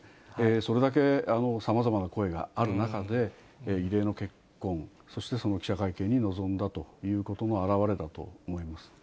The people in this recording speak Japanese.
それだけさまざまな声がある中で、異例の結婚、そしてその記者会見に臨んだということの表れだと思います。